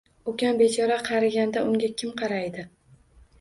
Ukam bechora qariganda unga kim qaraydi